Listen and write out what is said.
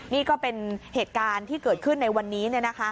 นี่ก็เป็นเหตุการณ์ที่เกิดขึ้นในวันนี้